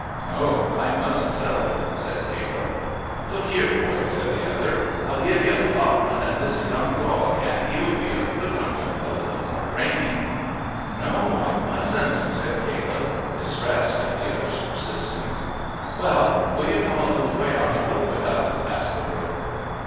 "No, I mustn't sell her," said Caleb. "Look here, boy," said the other, "I'll give 'ee a sovran and this young dog, an' he'll be a good one with a little more training." "No, I mustn't," said Caleb, distressed at the other's persistence. "Well, will you come a little way on the road with us?" asked the drover.